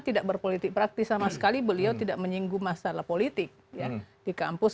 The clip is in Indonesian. tidak berpolitik praktis sama sekali beliau tidak menyinggung masalah politik ya di kampus